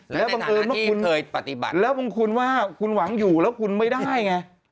แล้วบังคุณว่าคุณหวังอยู่แล้วคุณไม่ได้ไง